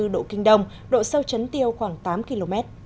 một trăm linh sáu một trăm năm mươi bốn độ kinh đồng độ sâu chấn tiêu khoảng tám km